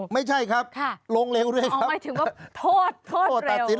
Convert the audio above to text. ไม่ใช่ครับลงเร็วด้วยอ๋อหมายถึงว่าโทษโทษตัดสิน